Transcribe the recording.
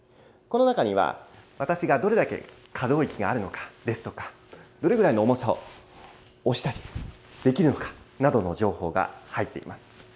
この中には、私がどれだけ可動域があるのかですとか、どれぐらいの重さを押したりできるのかなどの情報が入っています。